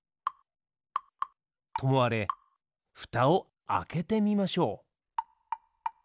ともあれふたをあけてみましょう。